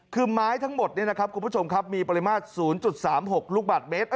คือไม้ทั้งหมดนี้นะครับคุณผู้ชมครับมีปริมาตร๐๓๖ลูกบาทเมตร